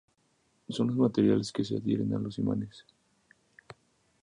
Son los materiales que "se adhieren a los imanes".